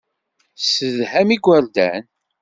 Tessedham igerdan.